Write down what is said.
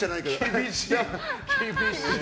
厳しい。